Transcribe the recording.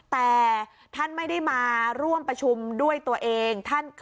แต่ท่านไม่ได้มาร่วมประชุมด้วยตัวเอง